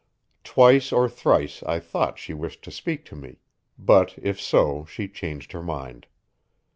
Twice or thrice I thought she wished to speak to me, but if so she changed her mind.